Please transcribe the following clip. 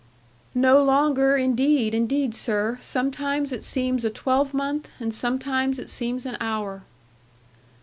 'No longer, indeed, indeed, sir. Sometimes it seems a twelvemonth, and sometimes it seems an hour.'